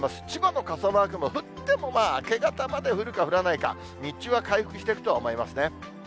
千葉の傘マークも降ってもまあ、明け方まで降るか降らないか、日中は回復していくと思いますね。